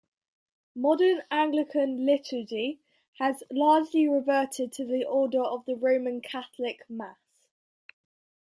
Modern Anglican liturgy has largely reverted to the order of the Roman Catholic Mass.